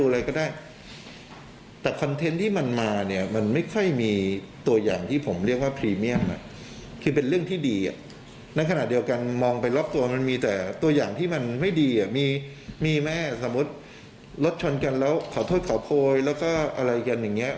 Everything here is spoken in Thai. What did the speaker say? แล้วขอโทษขอโพยแล้วก็อะไรกันอย่างเงี้ยมาออกคลิปเยอะเยอะอย่างเงี้ย